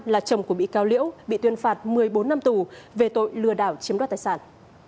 là chồng của bị cáo liễu bị tuyên phạt một mươi bốn năm tù về tội lừa đảo chiếm đoạt tài sản